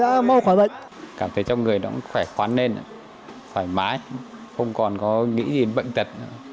cảm thấy cho người nó khỏe khoán lên khỏe mái không còn có nghĩ gì bệnh tật